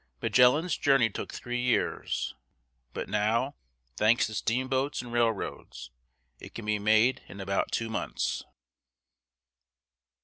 Magellan's journey took three years, but now, thanks to steamboats and railroads, it can be made in about two months.